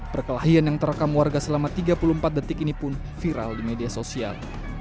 perkelahian yang terekam warga selama tiga puluh empat detik ini pun viral di media sosial